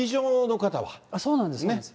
そうなんです。